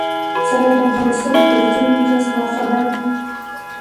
پسرلی د افغانستان د کلتوري میراث برخه ده.